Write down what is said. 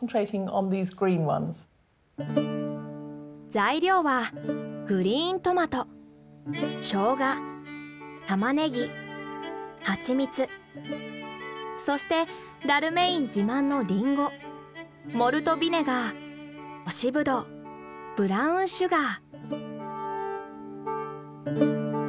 材料はグリーントマトショウガタマネギハチミツそしてダルメイン自慢のリンゴモルトビネガー干しブドウブラウンシュガー。